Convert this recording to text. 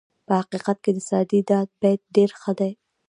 په حقیقت کې د سعدي دا بیت ډېر ښه دی.